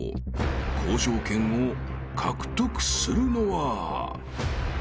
［交渉権を獲得するのは？］